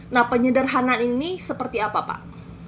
nah penyederhanaan ini seperti apa pak